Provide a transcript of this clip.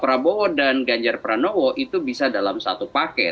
prabowo dan ganjar pranowo itu bisa dalam satu paket